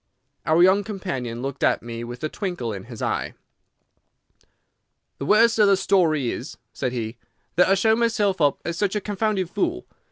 Our young companion looked at me with a twinkle in his eye. "The worst of the story is," said he, "that I show myself up as such a confounded fool.